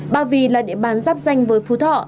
bà vy là địa bàn giáp danh với phú thọ